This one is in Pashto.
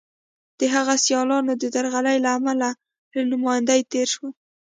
د هغه سیالانو د درغلۍ له امله له نوماندۍ تېر شول.